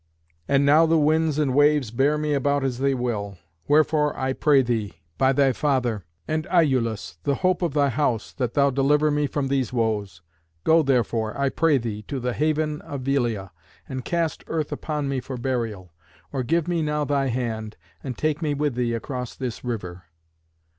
And now the winds and waves bear me about as they will. Wherefore I pray thee, by thy father, and Iülus, the hope of thy house, that thou deliver me from these woes. Go, therefore, I pray thee, to the haven of Velia, and cast earth upon me for burial; or give me now thy hand, and take me with thee across this river."